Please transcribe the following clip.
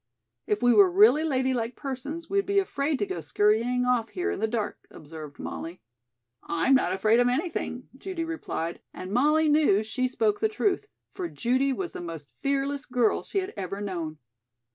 "If we were really ladylike persons we'd be afraid to go scurrying off here in the dark," observed Molly. "I'm not afraid of anything," Judy replied, and Molly knew she spoke the truth, for Judy was the most fearless girl she had ever known.